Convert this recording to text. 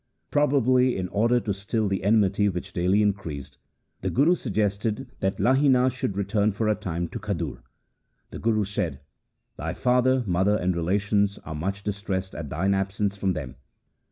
Probably in order to still the enmity which daily increased, the Guru suggested that Lahina should return for a time to Khadur. The Guru said :' Thy father, mother, and relations are much dis tressed at thine absence from them.